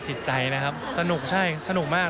จิตใจนะครับสนุกใช่สนุกมาก